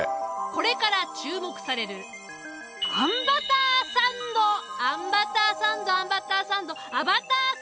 これから注目されるあんバターサンドあんバターサンドアバターサンドだ。